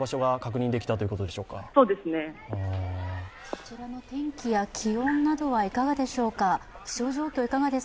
そちらの天気や気温などはいかがでしょうか？